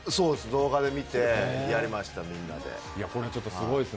動画で見てやりました、みんなで。